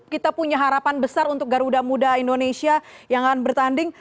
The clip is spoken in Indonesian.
kita punya harapan besar untuk garuda muda indonesia yang akan bertanding